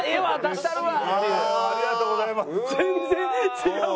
ありがとうございます。